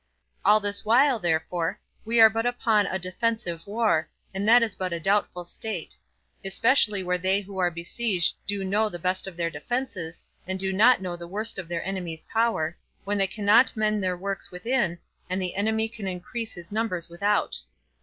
All this while, therefore, we are but upon a defensive war, and that is but a doubtful state; especially where they who are besieged do know the best of their defences, and do not know the worst of their enemy's power; when they cannot mend their works within, and the enemy can increase his numbers without.